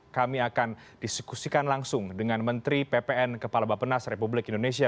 kami akan diskusikan langsung dengan menteri ppn kepala bapenas republik indonesia